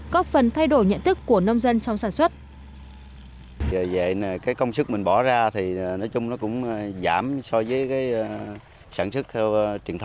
góp phần thay đổi nhận thức của nông dân trong sản xuất